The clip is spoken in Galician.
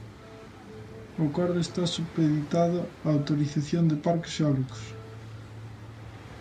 O acordo está supeditado á autorización de parques eólicos.